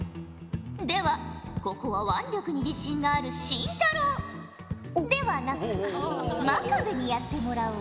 ではここは腕力に自信がある紳太郎ではなく真壁にやってもらおう。